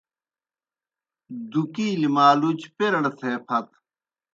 دُکِیلیْ مالُچ پیرَڑ تھے پھت۔